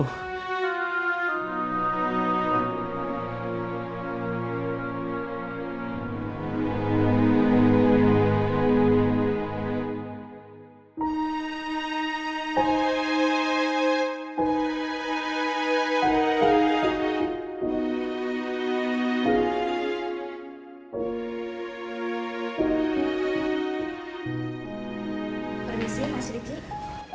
permisi mas riksy